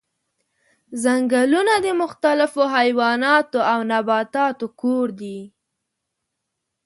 ځنګلونه د مختلفو حیواناتو او نباتاتو کور دي.